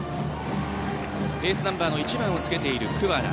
エースナンバーの１番をつけている桑名。